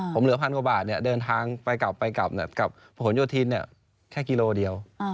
ผมเหลือพันกว่าบาทเนี่ยเดินทางไปกลับไปกลับเนี่ยกับผลโยธินเนี่ยแค่กิโลเดียว